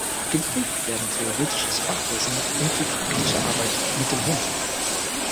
Geprüft werden theoretisches Fachwissen und die praktische Arbeit mit dem Hund.